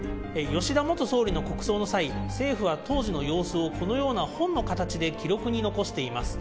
吉田元総理の国葬の際、政府は当時の様子をこのような本の形で記録に残しています。